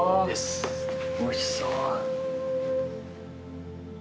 おいしそう。